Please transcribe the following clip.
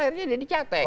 akhirnya jadi catat